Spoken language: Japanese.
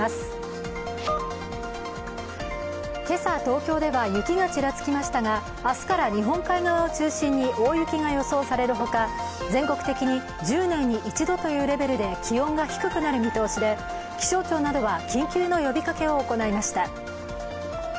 今朝、東京では雪がちらつきましたが明日から日本海側を中心に大雪が予想されるほか全国的に１０年に一度というレベルで気温が低くなる見通しで気象庁などは、緊急の呼びかけを行いました。